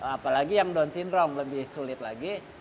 apalagi yang down syndrome lebih sulit lagi